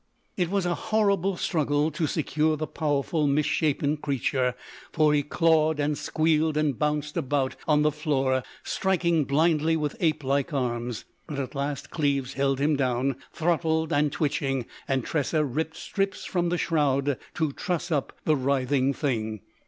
It was a horrible struggle to secure the powerful misshapen creature, for he clawed and squealed and bounced about on the floor, striking blindly with ape like arms. But at last Cleves held him down, throttled and twitching, and Tressa ripped strips from the shroud to truss up the writhing thing.